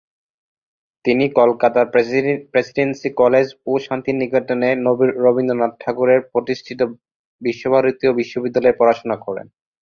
তিনি কলকাতার Presidency College ও শান্তিনিকেতনে রবীন্দ্রনাথ ঠাকুরের প্রতিষ্ঠিত বিশ্বভারতী বিশ্ববিদ্যালয়ে পড়াশোনা করেন।